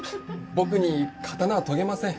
僕に刀は研げません。